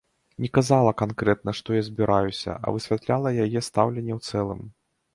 Не казала канкрэтна, што я збіраюся, а высвятляла яе стаўленне ў цэлым.